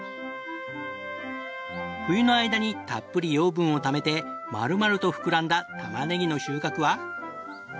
冬の間にたっぷり養分をためて丸々と膨らんだたまねぎの収穫は。